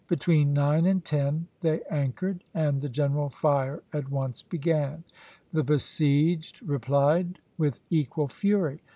Between nine and ten they anchored, and the general fire at once began. The besieged replied with equal fury.